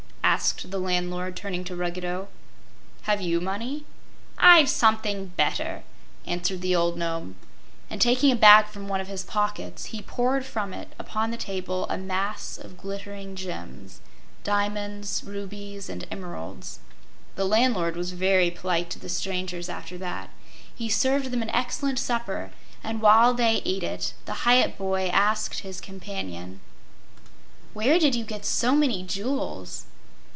asked the landlord, turning to Ruggedo. "Have you money?" "I've something better," answered the old Nome, and taking a bag from one of his pockets he poured from it upon the table a mass of glittering gems diamonds, rubies and emeralds. The landlord was very polite to the strangers after that. He served them an excellent supper, and while they ate it, the Hyup boy asked his companion: "Where did you get so many jewels?"